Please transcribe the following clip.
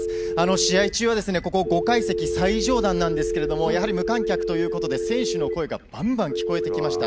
試合中はここ５階席最上段なんですけどやはり無観客ということで選手の声がバンバン聞こえてきました。